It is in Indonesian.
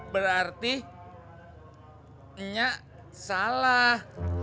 berarti nya salah